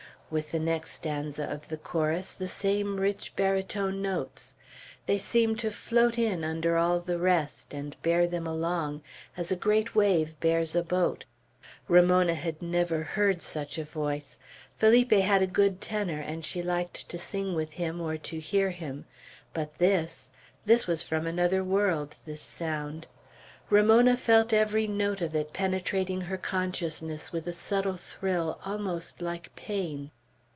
With the next stanza of the chorus, the same rich barytone notes. They seemed to float in under all the rest, and bear them along, as a great wave bears a boat. Ramona had never heard such a voice. Felipe had a good tenor, and she liked to sing with him, or to hear him; but this this was from another world, this sound. Ramona felt every note of it penetrating her consciousness with a subtle thrill almost like pain.